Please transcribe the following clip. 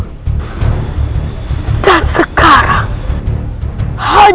iroh mau angkat